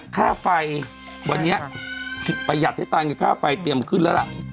ค่าไฟวันนี้ประหยัดให้ตังค์ค่าไฟเตรียมขึ้นแล้วล่ะ